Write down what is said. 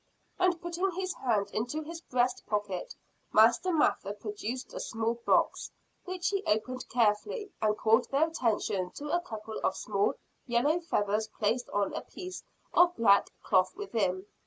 And putting his hand into his breast pocket, Master Mather produced a small box, which he opened carefully and called their attention to a couple of small yellow feathers placed on a piece of black cloth within.